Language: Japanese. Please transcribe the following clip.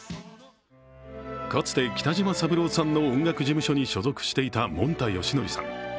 かつて北島三郎さんの音楽事務所に所属していた、もんたよしのりさん。